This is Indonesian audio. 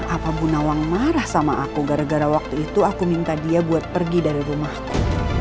apa bu nawang marah sama aku gara gara waktu itu aku minta dia buat pergi dari rumahku